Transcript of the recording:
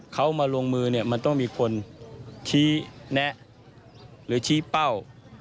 เขามาลงมือเนี่ยมันต้องมีคนชี้แนะหรือชี้เป้า